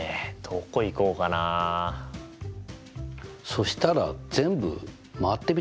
そしたら全部周ってみたら？